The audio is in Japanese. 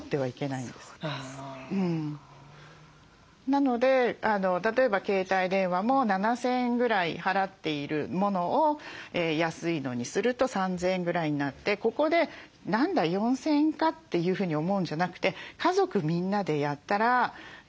なので例えば携帯電話も７，０００円ぐらい払っているものを安いのにすると３，０００円ぐらいになってここで「何だ４，０００円か」というふうに思うんじゃなくて家族みんなでやったらどうなるんだろうって。